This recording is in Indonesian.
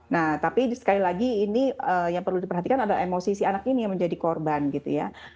nah tapi sekali lagi ini yang perlu diperhatikan adalah emosi si anak ini yang menjadi korban gitu ya